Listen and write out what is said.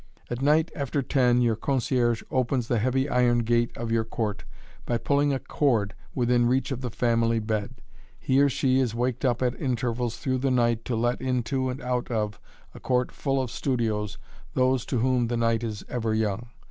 At night, after ten, your concierge opens the heavy iron gate of your court by pulling a cord within reach of the family bed. He or she is waked up at intervals through the night to let into and out of a court full of studios those to whom the night is ever young.